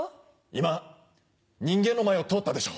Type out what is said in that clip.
今人間の前を通ったでしょ。